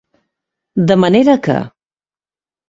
De manera que.